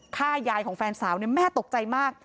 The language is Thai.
ฆ่ายายของแฟนสาวเนี่ยแม่ตกใจมาก